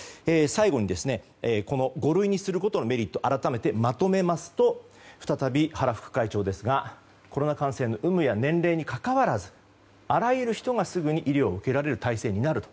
最後に、五類にすることのメリットをまとめると再び原副会長ですがコロナ感染の有無や年齢にかかわらずあらゆる人が医療をすぐに受けられる体制になると。